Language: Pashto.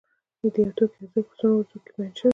د یو توکي ارزښت په څو نورو توکو کې بیان شوی